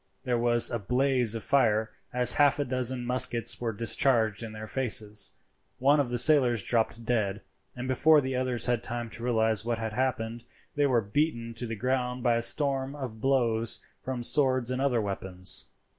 There was a blaze of fire as half a dozen muskets were discharged in their faces. One of the sailors dropped dead, and before the others had time to realize what had happened they were beaten to the ground by a storm of blows from swords and other weapons.